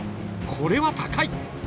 これは高い。